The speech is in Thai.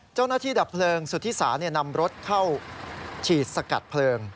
เจ้าหน้าที่ดับเพลิงสุธิษฌานำรถเข้าฉีดสกัดเพลิง